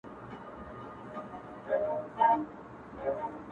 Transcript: چي په سخت وخت کي یې ملتیا وکړي